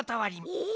え！